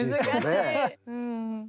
うん。